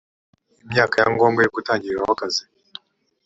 imyaka ya ngombwa yo gutangiriraho akazi